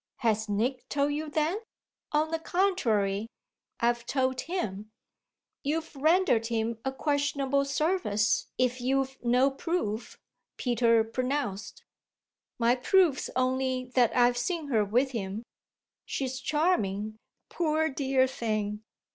"Has Nick told you then?" "On the contrary, I've told him." "You've rendered him a questionable service if you've no proof," Peter pronounced. "My proof's only that I've seen her with him. She's charming, poor dear thing."